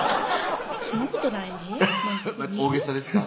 そんなことない大げさですか？